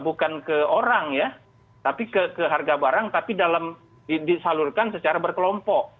bukan ke orang ya tapi ke harga barang tapi dalam disalurkan secara berkelompok